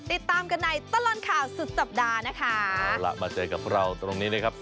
ติดตามกันในตลอดข่าวสุดสัปดาห์นะคะเอาล่ะมาเจอกับเราตรงนี้นะครับ